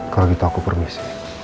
kalau gitu aku permisi